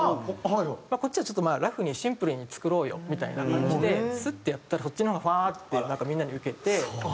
こっちはちょっとラフにシンプルに作ろうよみたいな感じでスッてやったらそっちの方がファーってなんかみんなにウケて。